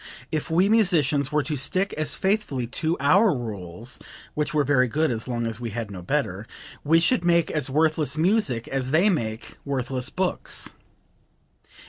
If we musicians were to stick as faithfully to our rules (which were very good as long as we had no better) we should make as worthless music as they make worthless books."